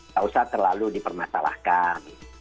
tak usah terlalu dipermasalahkan